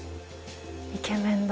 イケメンだ。